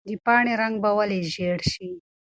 د پاڼې رنګ به ولې ژېړ شي؟